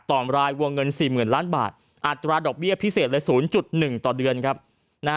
ต่อมรายวงเงิน๔๐๐๐๐ล้านบาทอัตราดอกเบี้ยพิเศษเลย๐๑ต่อเดือน